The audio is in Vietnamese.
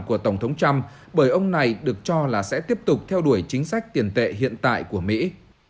của tổng thống trump bởi ông này được cho là sẽ tiếp tục theo đuổi chính sách tiền tệ hiện tại của mỹ